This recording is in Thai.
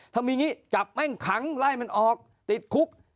ถ้ามีอย่างนี้จับแม่งขังไล่มันออกติดคุก